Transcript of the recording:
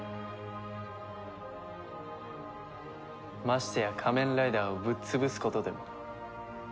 ましてや仮面ライダーをぶっ潰すことでも。